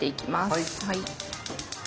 はい。